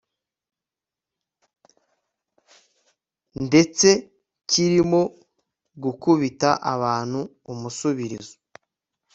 ndetse kirimo gukubita abantu umusubirizo